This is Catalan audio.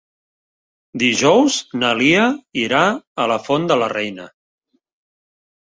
Dijous na Lia irà a la Font de la Reina.